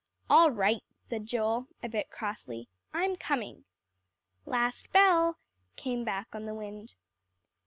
"All right," said Joel a bit crossly, "I'm coming." "Last bell," came back on the wind.